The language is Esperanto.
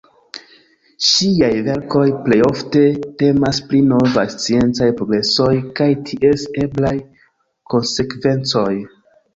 Ŝiaj verkoj plejofte temas pri novaj sciencaj progresoj kaj ties eblaj konsekvencoj.